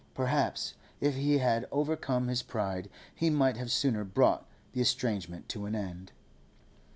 Perhaps, if he had overcome his pride, he might have sooner brought the estrangement to an end.